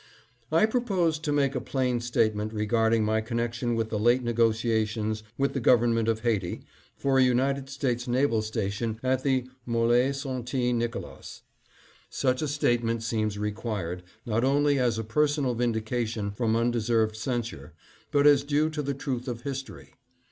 I propose to make a plain statement regarding my connection with the late negotiations with the govern ment of Haiti for a United States naval station at the M61e St. Nicolas. Such a statement seems required, not only as a personal vindication from undeserved censure, but as due to the truth of history.